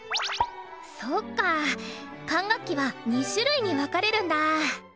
そっか管楽器は２種類に分かれるんだ！